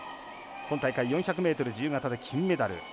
今大会４００ｍ自由形で金メダル。